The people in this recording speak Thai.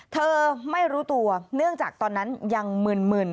เธอไม่รู้ตัวเนื่องจากตอนนั้นยังมึน